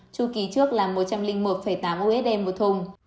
chu kỳ trước là một trăm linh một tám usd một thùng